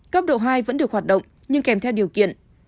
cấp độ hai vẫn được hoạt động nhưng kèm theo điều kiện